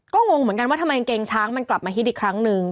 ก็งงเหมือนกันว่าทำไมกางเกงช้างมันกลับมาฮิตอีกครั้งนึง